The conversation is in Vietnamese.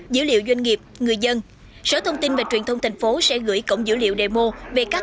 dữ liệu doanh nghiệp người dân sở thông tin và truyền thông thành phố sẽ gửi cổng dữ liệu demo về các